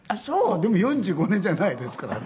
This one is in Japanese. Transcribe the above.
でも４５年じゃないですからね。